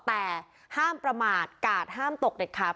แต่ห้ามประมาทกาดห้ามตกเด็ดขาด